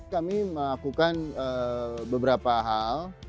kami melakukan beberapa hal